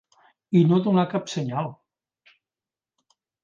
I no donar cap senyal!